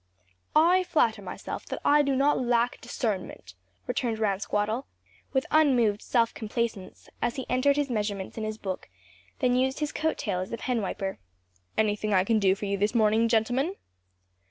"I flatter myself that I do not lack discernment," returned Ransquattle, with unmoved self complaisance, as he entered his measurements in his book, then used his coat tail as a pen wiper. "Anything I can do for you this morning, gentlemen?"